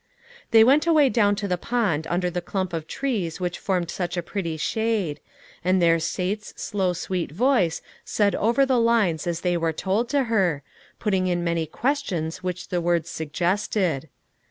They went away down to the pond under the clump of trees which formed such a pretty shade ; and there Sate's slow sweet voice said over the lines as they were told to her, putting in many questions which the words suggested.